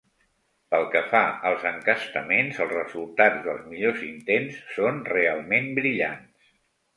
Pel que fa als encastaments, els resultats dels millors intents són realment brillants.